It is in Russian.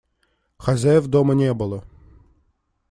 Хозяев дома не было.